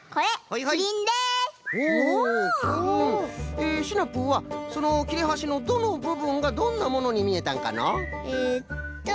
えシナプーはそのきれはしのどのぶぶんがどんなものにみえたんかのう？